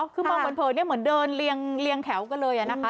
คือมองเผินเหมือนเดินเรียงแถวกันเลยนะคะ